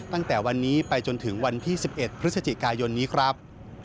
ตั้งแต่วันนี้ไปจนถึงวันที่๑๑พฤศจิกายนนี้ครับ